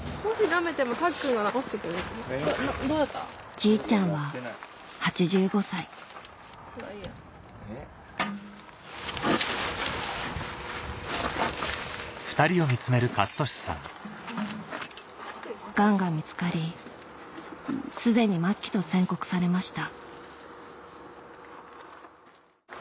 じいちゃんは８５歳ガンが見つかり既に末期と宣告されました